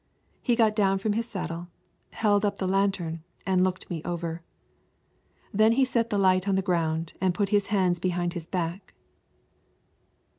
He got down from his saddle, held up the lantern and looked me over. Then he set the light on the ground and put his hands behind his back.